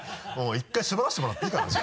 １回縛らせてもらっていいかな？